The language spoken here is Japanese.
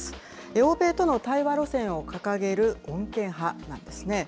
欧米との対話路線を掲げる穏健派なんですね。